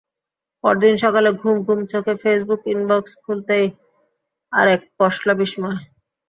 পরদিন সকালে ঘুম ঘুম চোখে ফেসবুক ইনবক্স খুলতেই আরেক পশলা বিস্ময়।